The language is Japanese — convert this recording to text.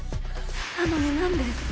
なのに何で？